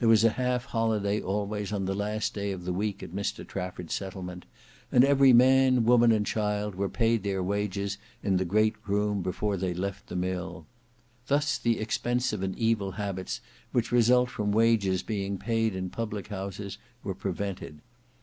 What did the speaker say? There was a half holiday always on the last day of the week at Mr Trafford's settlement; and every man, woman, and child, were paid their wages in the great room before they left the mill. Thus the expensive and evil habits which result from wages being paid in public houses were prevented.